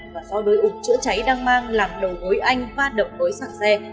và so với ụt chữa cháy đang mang làm đầu gối anh phát động gối sạc xe